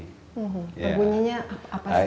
berbunyinya apa sih